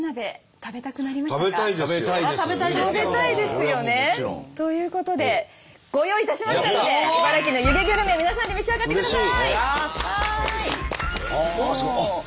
食べたいですよね。ということでご用意いたしましたので茨城の湯気グルメ皆さんで召し上がってください。